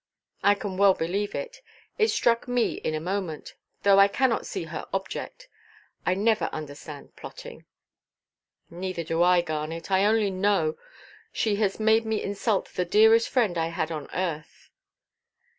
"I can well believe it. It struck me in a moment; though I cannot see her object. I never understand plotting." "Neither do I, Garnet; I only know she has made me insult the dearest friend I had on earth."